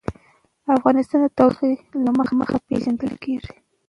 افغانستان د تودوخه له مخې پېژندل کېږي.